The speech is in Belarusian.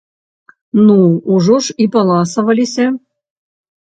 Ну, ужо ж і паласаваліся!